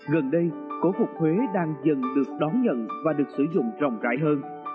gần đây phổ phục huế đang dần được đón nhận và được sử dụng rộng rãi hơn